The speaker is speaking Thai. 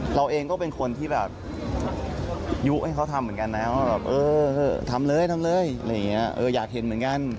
เราเองก็เป็นคนที่แบบยุให้เขาทำเหมือนกันนะว่าแบบเออทำเลยทำเลยอะไรอย่างนี้อยากเห็นเหมือนกัน